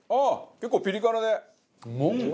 結構ピリ辛で。